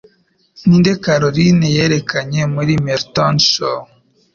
Ninde Caroline yerekanye Muri Merton Show